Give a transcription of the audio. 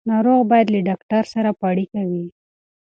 ناروغ باید له ډاکټر سره په اړیکه وي.